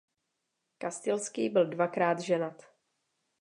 Kastilský byl dvakrát ženat.